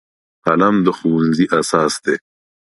قلم د ښوونځي اساس دی